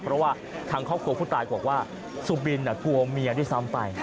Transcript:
เพราะว่าทางครอบครัวผู้ตายบอกว่าสุบินกลัวเมียด้วยซ้ำไป